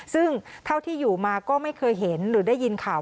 ซึ่งเท่าที่อยู่มาก็ไม่เคยเห็นหรือได้ยินข่าว